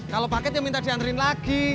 kalo paket ya minta dianterin lagi